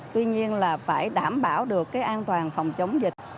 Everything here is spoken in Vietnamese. tuy nhiên là phải đảm bảo được cái an toàn phòng chống dịch